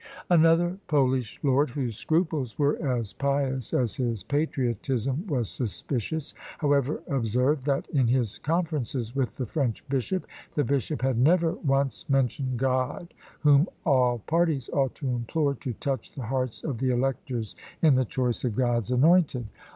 Another Polish lord, whose scruples were as pious as his patriotism was suspicious, however observed that, in his conferences with the French bishop, the bishop had never once mentioned God, whom all parties ought to implore to touch the hearts of the electors in the choice of God's "anointed."